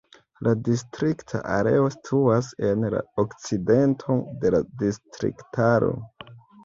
La distrikta areo situas en la okcidento de la distriktaro.